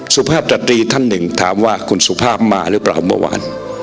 สุภาพสตรีท่านหนึ่งถามว่าคุณสุภาพมาหรือเปล่าเมื่อวาน